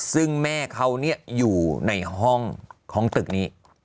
ซึ่งแม่เขาอยู่ในห้องของตึกนี้